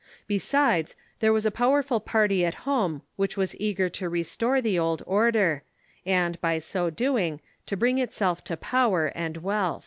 Besides, there was a powerful party at home which was eager to restore the old order, and, by so doing, to bring itself to power and wealth.